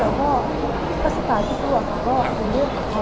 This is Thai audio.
แล้วก็สถานที่ตัวเขาก็เป็นเรื่องของเขา